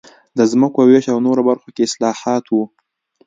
د ځمکو وېش او نورو برخو کې اصلاحات و